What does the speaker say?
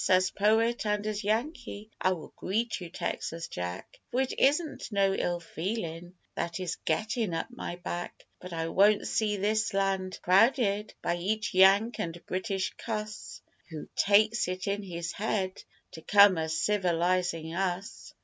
As poet and as Yankee I will greet you, Texas Jack, For it isn't no ill feelin' that is gettin' up my back, But I won't see this land crowded by each Yank and British cuss Who takes it in his head to come a civilisin' us.